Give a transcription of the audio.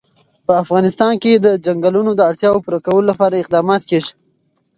په افغانستان کې د چنګلونه د اړتیاوو پوره کولو لپاره اقدامات کېږي.